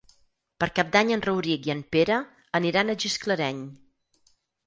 Per Cap d'Any en Rauric i en Pere aniran a Gisclareny.